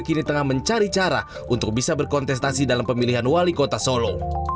kini tengah mencari cara untuk bisa berkontestasi dalam pemilihan wali kota solo